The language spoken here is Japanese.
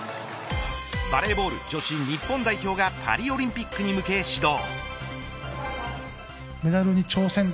バレーボール女子日本代表がパリオリンピックに向け始動。